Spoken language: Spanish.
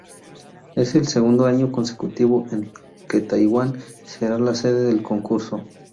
Este es el segundo año consecutivo en que Taiwan será la sede del concurso.